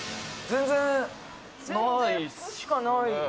「全然服しかない」